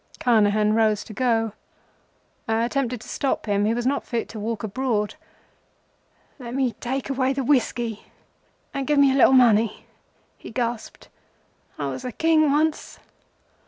Carnehan rose to go. I attempted to stop him. He was not fit to walk abroad. "Let me take away the whiskey, and give me a little money," he gasped. "I was a King once.